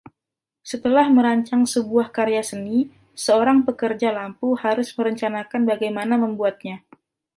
Setelah merancang sebuah karya seni, seorang pekerja lampu harus merencanakan bagaimana membuatnya.